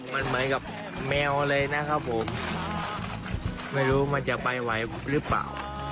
มันเหมือนกับแมวเลยนะครับผมไม่รู้มันจะไปไหวหรือเปล่า